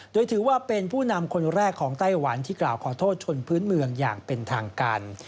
โดยถือว่าเป็นผู้นำคนแรกของไต้หวันที่กล่าวขอโทษชนพื้นเมืองอย่างเป็นทางการ